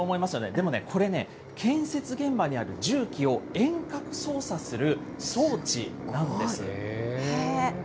でもね、これね、建設現場にある重機を遠隔操作する装置なんです。